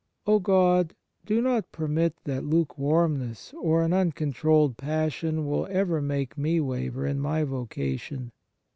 O God, do not permit that lukewarmness or an uncontrolled passion will ever make me waver in my vocation.